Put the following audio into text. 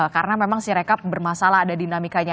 karena memang si rekap bermasalah ada dinamikanya